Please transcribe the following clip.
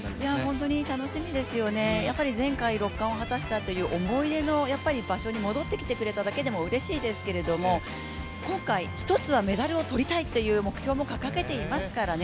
本当に楽しみですよね、前回６冠を果たしたという思い出の場所に戻ってきてくれただけでもうれしいですけれども今回、一つはメダルを取りたいという目標も掲げていますからね